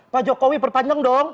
pak jokowi perpanjang dong